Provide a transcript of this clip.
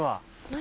何？